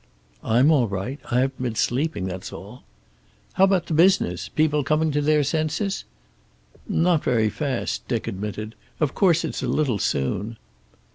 "I'm all right. I haven't been sleeping. That's all." "How about the business? People coming to their senses?" "Not very fast," Dick admitted. "Of course it's a little soon."